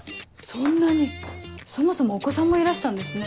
そんなにそもそもお子さんもいらしたんですね。